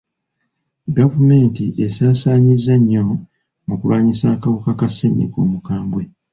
Gavumenti esaasaanyizza nnyo mu kulwanyisa akawuka ka ssenyiga omukambwe.